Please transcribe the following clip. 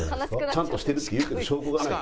ちゃんとしてるって言っても証拠がない。